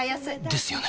ですよね